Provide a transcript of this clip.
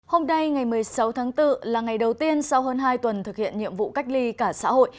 hôm nay ngày một mươi sáu tháng bốn là ngày đầu tiên sau hơn hai tuần thực hiện nhiệm vụ cách ly cả xã hội